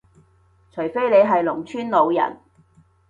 除非你係農村老人